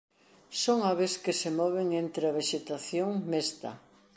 Son aves que se moven entre a vexetación mesta.